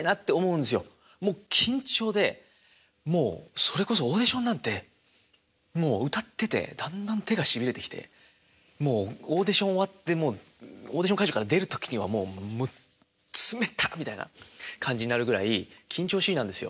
もう緊張でそれこそオーディションなんてもう歌っててだんだん手がしびれてきてもうオーディション終わってオーディション会場から出る時にはもう冷たっみたいな感じになるぐらい緊張しいなんですよ。